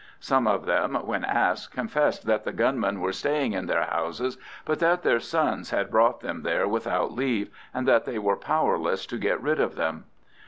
Some of them, when asked, confessed that the gunmen were staying in their houses, but that their sons had brought them there without leave, and that they were powerless to get rid of them.